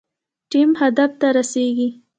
ټیم هدف ته رسیږي